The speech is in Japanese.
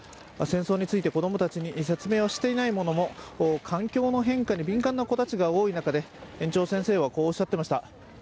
戦争について子供たちに説明はしていないものの環境の変化に敏感な子が多い中で園長先生はこうおっしゃっていました。